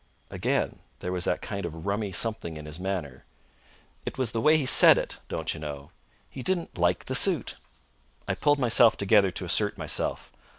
Again there was that kind of rummy something in his manner. It was the way he said it, don't you know. He didn't like the suit. I pulled myself together to assert myself.